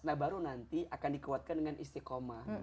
nah baru nanti akan dikuatkan dengan istiqomah